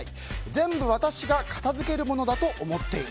全部、私が片付けるものだと思っている。